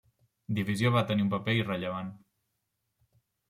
Divisió va tenir un paper irrellevant.